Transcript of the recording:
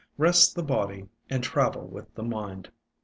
Rest the body and travel with the mind.